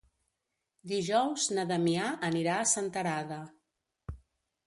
Dijous na Damià anirà a Senterada.